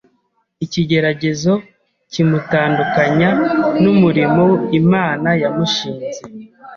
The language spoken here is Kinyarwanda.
ikigeregezo kimutandukanya n’umurimo Imana yamushinze.